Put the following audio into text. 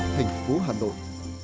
thành phố hà nội